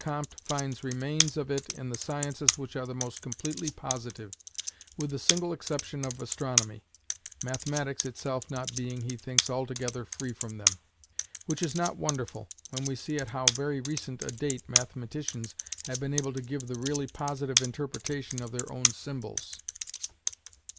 Comte finds remains of it in the sciences which are the most completely positive, with the single exception of astronomy, mathematics itself not being, he thinks, altogether free from them: which is not wonderful, when we see at how very recent a date mathematicians have been able to give the really positive interpretation of their own symbols.